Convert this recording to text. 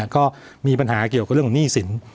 ก็มีปัญหาเกี่ยวกับเรื่องของหนี้สิน